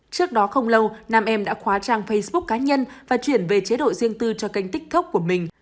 trước đó không lâu nam em đã khóa trang facebook cá nhân và chuyển về chế độ riêng tư cho kênh tiktok của mình